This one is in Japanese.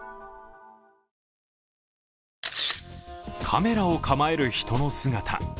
カメラを構える人の姿。